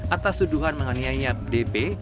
atas tuduhan menganiaya bp